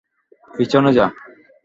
পিছনে যা!